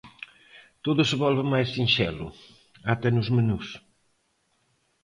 Todo se volve máis sinxelo, ata nos menús.